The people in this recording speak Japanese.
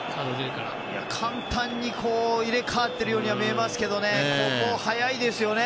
簡単に入れ替わっているように見えますけどここ、速いですよね。